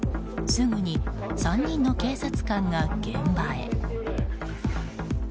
すぐに３人の警察官が現場へ。